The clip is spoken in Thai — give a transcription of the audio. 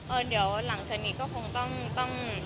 เออเดี๋ยวหลังจากนี้ก็คงต้องต้อง